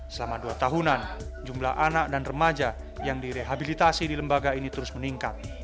selama dua tahunan jumlah anak dan remaja yang direhabilitasi di lembaga ini terus meningkat